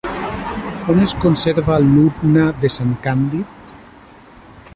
On es conserva l'Urna de Sant Càndid?